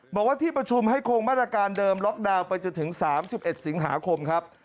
บอกว่าที่ประชุมให้คงมาตรการเดิมล็อกดาวน์ไปจนถึง๓๑สิงหาคมครับ